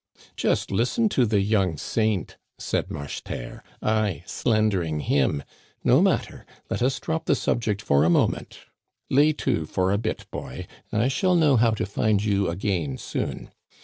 Just listen to the young saint !" said Marcheterre. " I slandering him ! No matter, let us drop the sub ject for a moment. ' Lay to ' for a bit, boy ; I shall know how to find you again soon.